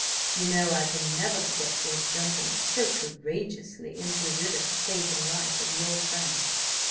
You know I can never forget your jumping so courageously into the river, to save the life of your friend."